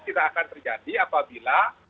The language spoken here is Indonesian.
tidak akan terjadi apabila